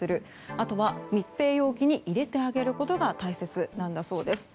あとは、密閉容器に入れてあげることが大切なんだそうです。